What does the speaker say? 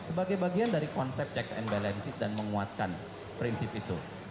sebagai bagian dari konsep checks and balances dan menguatkan prinsip itu